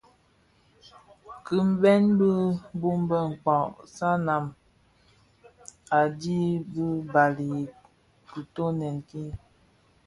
Kpimbèn bi bōn bë Mkpag. Sanam a dhi bi bali I kitoňèn ki.